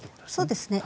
そうですね。